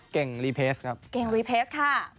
เก่งรีเพสครับ